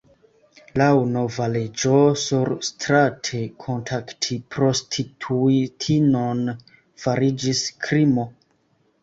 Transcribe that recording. Laŭ nova leĝo surstrate kontakti prostituitinon fariĝis krimo.